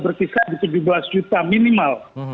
berkisar di tujuh belas juta minimal